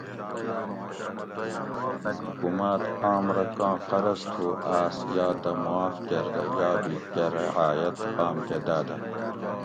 حکوماۤت آم رہ کاں قرض تُھو آۤس یا تہ معاف کۤردہ یا بھی کۤہ رعایت آم کہ داۤدہ